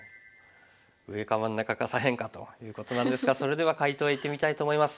上か真ん中か左辺かということなんですがそれでは解答へいってみたいと思います。